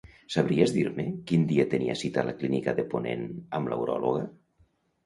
Sabries dir-me quin dia tenia cita a la clínica de Ponent amb la uròloga?